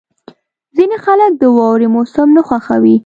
• ځینې خلک د واورې موسم نه خوښوي.